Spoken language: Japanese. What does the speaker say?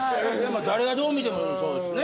誰がどう見てもそうですね。